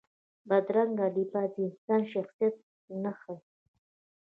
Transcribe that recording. بدرنګه لباس د انسان شخصیت نه ښيي